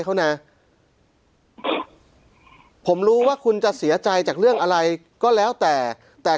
เขานะผมรู้ว่าคุณจะเสียใจจากเรื่องอะไรก็แล้วแต่แต่